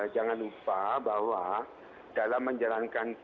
jangan lupa bahwa dalam menjalankan